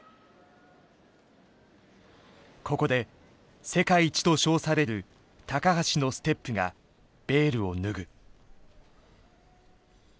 ここで世界一と称される橋のステップがベールを脱ぐ。